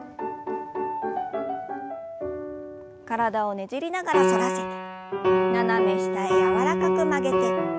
体をねじりながら反らせて斜め下へ柔らかく曲げて。